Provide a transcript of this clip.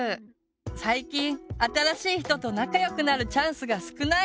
最近新しい人と仲よくなるチャンスが少ない！